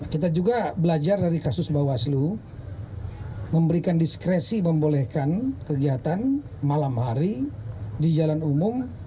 kita juga belajar dari kasus bawaslu memberikan diskresi membolehkan kegiatan malam hari di jalan umum